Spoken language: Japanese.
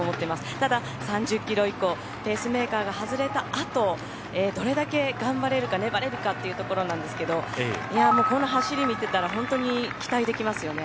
ただ、３０キロ以降ペースメーカーが外れた後どれだけ頑張れるか粘れるかっていうところなんですけどこの走り見てたら本当に期待できますよね。